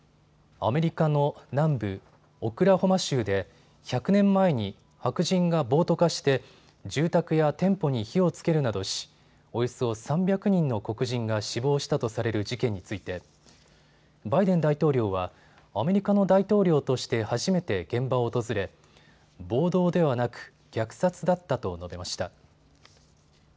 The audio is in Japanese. アメリカの南部オクラホマ州で１００年前に白人が暴徒化して住宅や店舗に火をつけるなどしおよそ３００人の黒人が死亡したとされる事件についてバイデン大統領はアメリカの大統領として初めて現場を訪れ暴動ではなく虐殺だったと述べました。